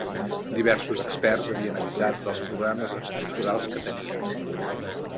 Diversos experts havien avisat dels problemes estructurals que tenia.